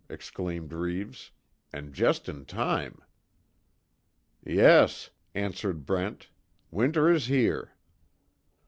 exclaimed Reeves, "And just in time!" "Yes," answered Brent, "Winter is here."